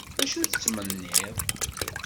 Acu tettmenniḍ?